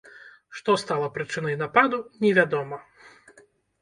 Што стала прычынай нападу, невядома.